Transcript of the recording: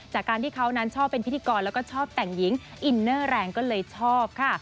จากการที่เขานั้นชอบเป็นพิธีกรแล้วก็ชอบแต่งหญิงอินเนอร์แรงก็เลยชอบค่ะ